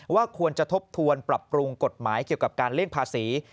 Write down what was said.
ว่าควรจะทบทวนปรับปรุงกฎหมายเกี่ยวกับการเลี่ยงภาษี